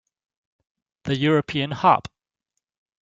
The European Hop!